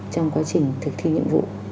trong quá trình thực thi nhiệm vụ